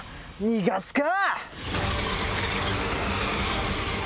逃がすか！